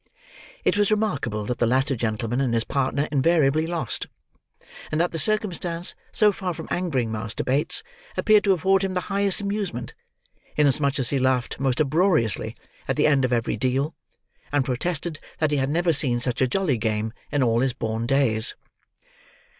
It was remarkable that the latter gentleman and his partner invariably lost; and that the circumstance, so far from angering Master Bates, appeared to afford him the highest amusement, inasmuch as he laughed most uproariously at the end of every deal, and protested that he had never seen such a jolly game in all his born days.